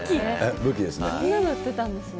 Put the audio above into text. そんなの売ってたんですね。